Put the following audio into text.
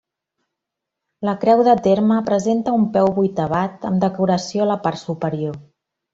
La creu de terme presenta un peu vuitavat amb decoració a la part superior.